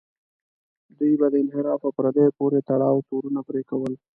دوی به د انحراف او پردیو پورې تړاو تورونه پورې کول.